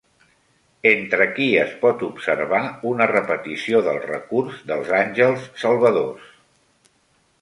Entre qui es pot observar una repetició del recurs dels àngels salvadors?